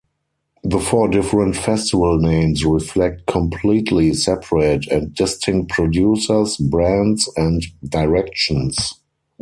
The four different festival names reflect completely separate and distinct producers, brands and directions.